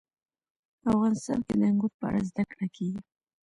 افغانستان کې د انګور په اړه زده کړه کېږي.